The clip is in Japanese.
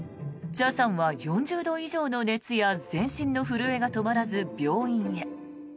茶さんは４０度以上の熱や全身の震えが止まらず病院へ。